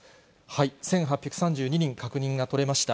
１８３２人、確認が取れました。